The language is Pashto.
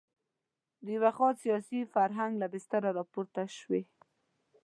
د یوه خاص سیاسي فرهنګ له بستره راپورته شوې.